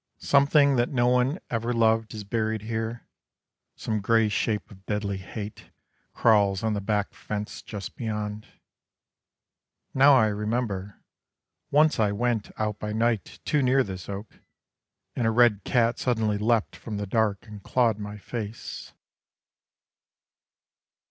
Something that no one ever loved, Is buried here: Some grey shape of deadly hate, Crawls on the back fence just beyond. Now I remember once I went Out by night too near this oak, And a red cat suddenly leapt From the dark and clawed my face.